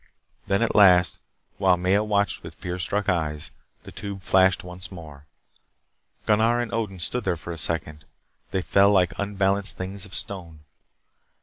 Then, at last, while Maya watched with fear struck eyes, the tube flashed once more. Gunnar and Odin stood there for a second. They fell like unbalanced things of stone.